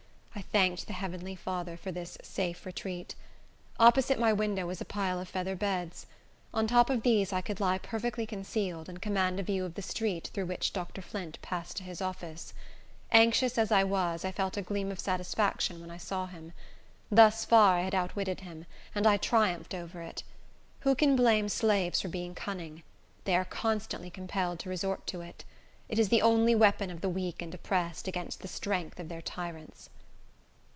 I thanked the heavenly Father for this safe retreat. Opposite my window was a pile of feather beds. On the top of these I could lie perfectly concealed, and command a view of the street through which Dr. Flint passed to his office. Anxious as I was, I felt a gleam of satisfaction when I saw him. Thus far I had outwitted him, and I triumphed over it. Who can blame slaves for being cunning? They are constantly compelled to resort to it. It is the only weapon of the weak and oppressed against the strength of their tyrants.